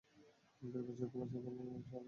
ভেবেছো তোমরা আমার সাথে চালাকি করতে পারবে?